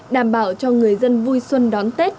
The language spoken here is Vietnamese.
đảm bảo cho người dân vui xuân đón tết